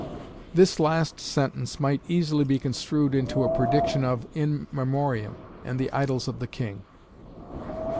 '" This last sentence might easily be construed into a prediction of "In Memoriam" and "The Idyls of the King."